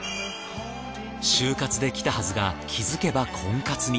就活で来たはずが気づけば婚活に。